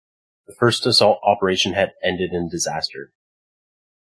The first assault operation had ended in disaster.